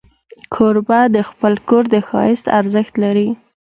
کوربه د خپل کور د ښایست ارزښت لري.